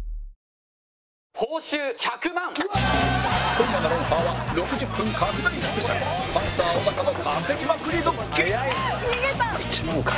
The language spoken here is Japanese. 今夜の『ロンハー』は６０分拡大スペシャルパンサー尾形の稼ぎまくりドッキリ１万か。